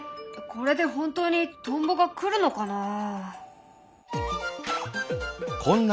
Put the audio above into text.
これで本当にトンボが来るのかな？